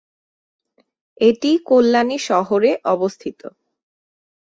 এটি কল্যাণী শহরে অবস্থিত।